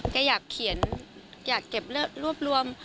แกอยากเขียนอยากเก็บรวบรวม